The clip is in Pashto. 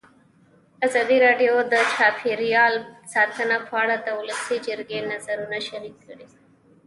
ازادي راډیو د چاپیریال ساتنه په اړه د ولسي جرګې نظرونه شریک کړي.